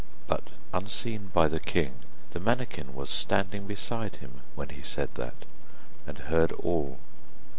But unseen by the king, the manikin was standing beside him when he said that, and heard all.